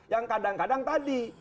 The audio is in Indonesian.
yang kadang kadang tadi